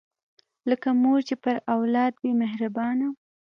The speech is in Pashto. لکه مور چې پر اولاد وي مهربانه